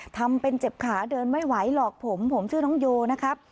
ทำเป็นเจ็บขาเดินไม่ไหวหรอกผมผมชื่อน้องโยนะครับ